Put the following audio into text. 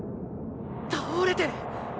⁉倒れてる！！